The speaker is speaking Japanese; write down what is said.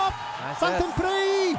３点プレー！